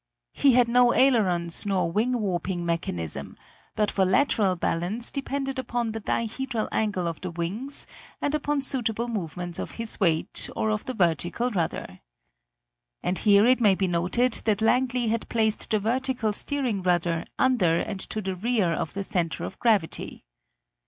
He had no ailerons nor wing warping mechanism, but for lateral balance depended upon the dihedral angle of the wings and upon suitable movements of his weight or of the vertical rudder. And here it may be noted that Langley had placed the vertical steering rudder under and to the rear of the center of gravity.